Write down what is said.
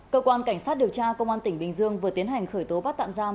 cơ quan cảnh sát điều tra công an tỉnh bình dương vừa tiến hành khởi tố bắt tạm giam